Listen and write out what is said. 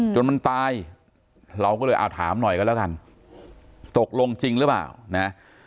จนมันตายเราก็เลยเอาถามหน่อยกันแล้วกันตกลงจริงหรือเปล่านะ